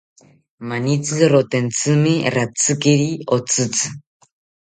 Manitzi rotentzimi ratzikiri otzitzi